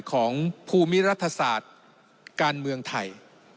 ของภูมิรัฐศาสตร์การเมืองไทย